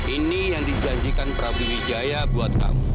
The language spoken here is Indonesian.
ini yang dijanjikan prabu wijaya buat kamu